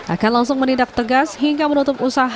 akan langsung menindak tegas dan menjaga kepentingan perusahaan